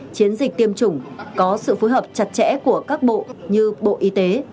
chiến dịch tiêm chủng có sự phối hợp chặt chẽ của các bộ như bộ y tế